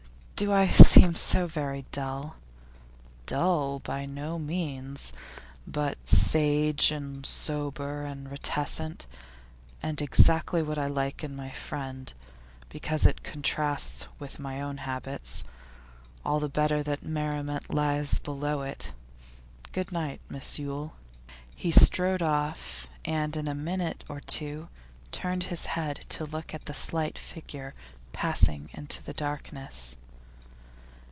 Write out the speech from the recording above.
'Do I seem so very dull?' 'Dull, by no means. But sage and sober and reticent and exactly what I like in my friend, because it contrasts with my own habits. All the better that merriment lies below it. Goodnight, Miss Yule.' He strode off and in a minute or two turned his head to look at the slight figure passing into darkness.